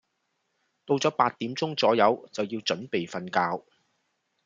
到左八點鐘左右就要準備瞓覺